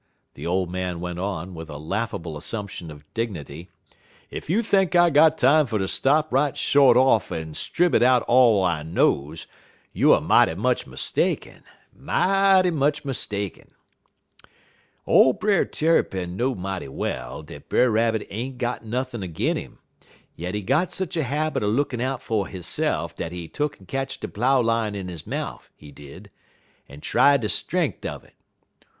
the old man went on, with a laughable assumption of dignity, "ef you think I got time fer ter stop right short off en stribbit out all I knows, you er mighty much mistaken mighty much mistaken. "Ole Brer Tarrypin know mighty well dat Brer Rabbit ain't got nothin' 'gin' 'im, yet he got sech a habit er lookin' out fer hisse'f dat he tuck'n ketch de plough line in he mouf, he did, en try de strenk un it.